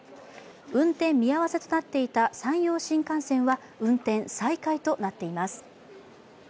運転見合わせとなっていた山陽新幹線は運転再開となっています。